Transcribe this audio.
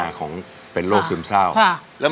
สามีก็ต้องพาเราไปขับรถเล่นดูแลเราเป็นอย่างดีตลอดสี่ปีที่ผ่านมา